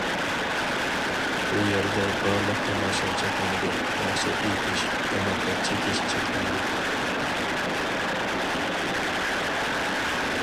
بۇ يەردە بارلىق تاماشا چەكلىنىدۇ، ناخشا ئېيتىش، تاماكا چېكىش چەكلىنىدۇ.